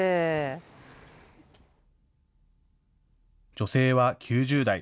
女性は９０代。